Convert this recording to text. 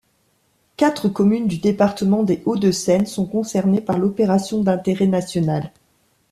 Quatre communes du département des Hauts-de-Seine sont concernées par l'opération d'intérêt national.